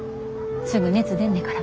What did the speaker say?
すぐ熱出んねから。